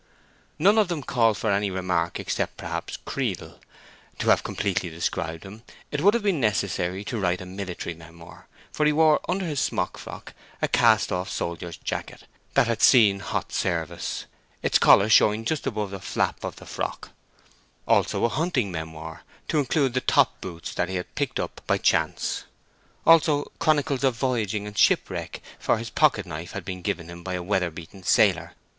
None of them call for any remark except, perhaps, Creedle. To have completely described him it would have been necessary to write a military memoir, for he wore under his smock frock a cast off soldier's jacket that had seen hot service, its collar showing just above the flap of the frock; also a hunting memoir, to include the top boots that he had picked up by chance; also chronicles of voyaging and shipwreck, for his pocket knife had been given him by a weather beaten sailor.